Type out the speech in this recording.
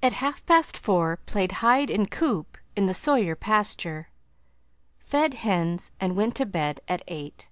At half past four played hide and coop in the Sawyer pasture. Fed hens and went to bed at eight."